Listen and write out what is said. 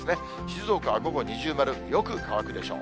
静岡は午後二重丸、よく乾くでしょう。